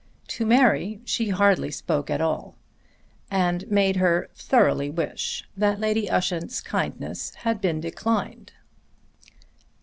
To Mary she hardly spoke at all and made her thoroughly wish that Lady Ushant's kindness had been declined.